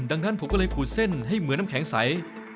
ดังนั้นผมก็เลยขูดเส้นให้เหมือนน้ำแข็งใส